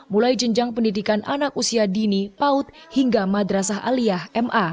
mulai jenjang pendidikan anak usia dini paut hingga madrasah aliyah ma